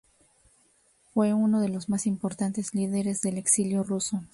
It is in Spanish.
Fue uno de los más importantes líderes del exilio ruso.